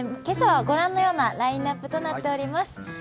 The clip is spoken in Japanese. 今朝はご覧のようなラインナップとなっています。